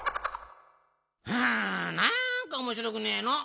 はあなんかおもしろくねえの。